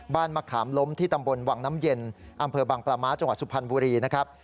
มะขามล้มที่ตำบลวังน้ำเย็นอำเภอบางปลาม้าจังหวัดสุพรรณบุรีนะครับ